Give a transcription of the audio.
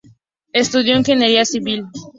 Estudió Ingeniería Civil.